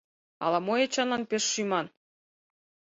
— Ала-мо Эчанлан пеш шӱман?..